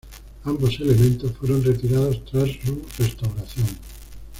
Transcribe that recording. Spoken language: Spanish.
Ambos elementos fueron retirados tras su restauración.